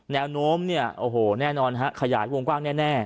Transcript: แนวโน้มแน่นอนขยายวงกว้างแน่